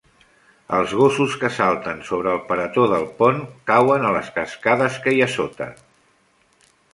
Els gossos que salten sobre el paretó del pont cauen a les cascades que hi ha a sota.